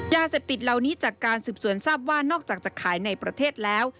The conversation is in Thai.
ยาเสพติดเหล่านี้จากการสืบสวนทราบว่านอกจากจะขายในประเทศแล้ว